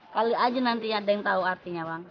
kali aja nanti ada yang tau artinya bang